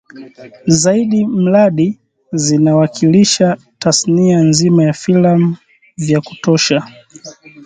zaidi mradi zinawakilisha tasnia nzima ya filamu vya kutosha